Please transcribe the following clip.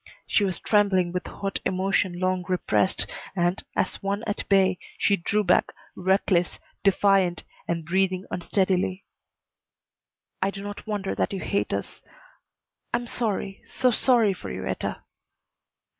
She was trembling with hot emotion long repressed, and, as one at bay, she drew back, reckless, defiant, and breathing unsteadily. "I do not wonder that you hate us. I am sorry so sorry for you, Etta."